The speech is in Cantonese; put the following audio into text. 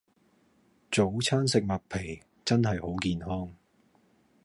早餐食麥皮真係好健康